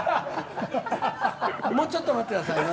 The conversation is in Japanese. もうちょっと待ってくださいね！